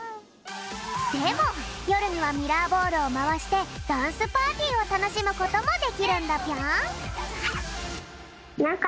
でもよるにはミラーボールをまわしてダンスパーティーをたのしむこともできるんだぴょん。